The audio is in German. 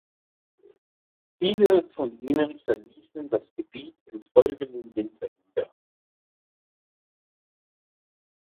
Viele von ihnen verließen das Gebiet im folgenden Winter wieder.